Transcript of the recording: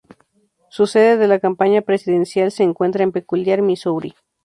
Su sede de la campaña presidencial se encuentra en Peculiar, Missouri.